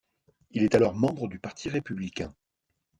Il est alors membre du Parti républicain.